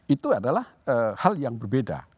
itu adalah hal yang berbeda